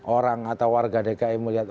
orang atau warga dki melihat